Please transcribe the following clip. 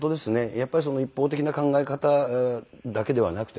やっぱり一方的な考え方だけではなくてね